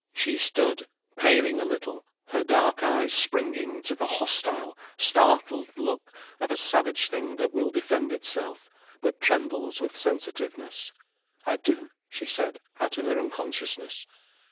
She stood, paling a little, her dark eyes springing to the hostile, startled look of a savage thing that will defend itself, but trembles with sensitiveness. "I do," she said, out of her unconsciousness.